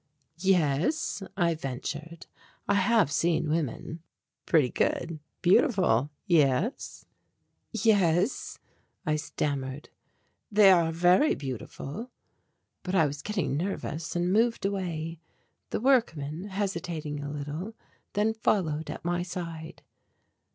"Yes," I ventured, "I have seen women." "Pretty good, beautiful, yes?" "Yes," I stammered, "they are very beautiful." But I was getting nervous and moved away. The workman, hesitating a little, then followed at my side.